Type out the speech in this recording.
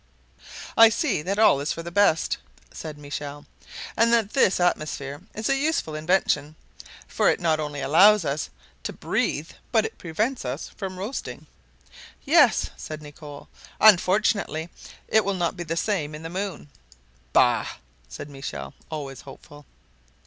"I see that all is for the best," said Michel, "and that this atmosphere is a useful invention; for it not only allows us to breathe, but it prevents us from roasting." "Yes!" said Nicholl, "unfortunately, it will not be the same in the moon." "Bah!" said Michel, always hopeful.